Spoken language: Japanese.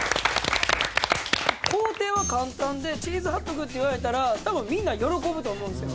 工程は簡単でチーズハットグって言われたら多分みんな喜ぶと思うんですよ。